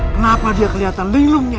kenapa dia kelihatan linglungnya